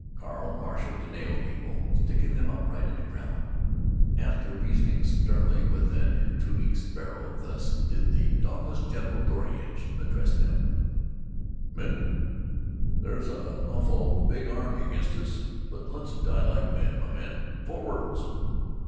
Carl marshaled the Nail People, sticking them upright in the ground. After reasoning sternly with an intruding sparrow, thus did the dauntless General Door Hinge address them: "Men, there's a nawful big army against us, but le's die like men, my men. Forwards!"